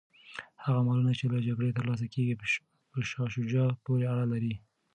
هغه مالونه چي له جګړې ترلاسه کیږي په شاه شجاع پوري اړه لري.